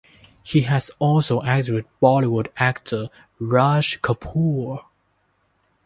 He has also acted with Bollywood actor Raj Kapoor.